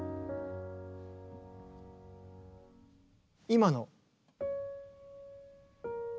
今の。